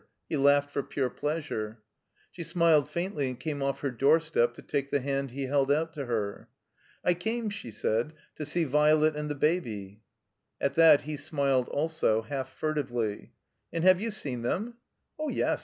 He laughed for ptire pleastire. 1^ She smiled faintly and came off her doorstep to take the hand he held out to her. "I came," she said, "to see Violet and the Baby." At that he smiled also, half furtively. And have you seen them?" 0h yes.